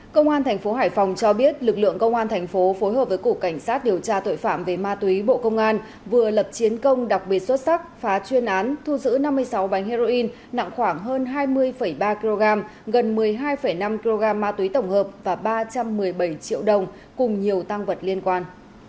công an tp hải phòng cho biết lực lượng công an thành phố phối hợp với cục cảnh sát điều tra tội phạm về ma túy bộ công an vừa lập chiến công đặc biệt xuất sắc phá chuyên án thu giữ năm mươi sáu bánh heroin nặng khoảng hơn hai mươi ba kg gần một mươi hai năm kg ma túy tổng hợp và ba trăm một mươi bảy triệu đồng cùng nhiều tăng vật liên quan